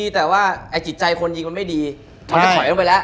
แต่ว่าจิตใจคนยิงมันไม่ดีมันก็ถอยลงไปแล้ว